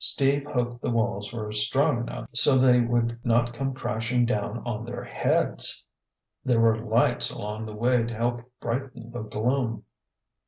Steve hoped the walls were strong enough so they would not come crashing down on their heads! There were lights along the way to help brighten the gloom.